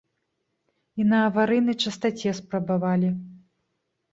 І на аварыйнай частаце спрабавалі.